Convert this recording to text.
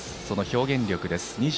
その表現力です。